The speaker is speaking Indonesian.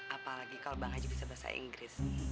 apalagi kalau bang haji bisa bahasa inggris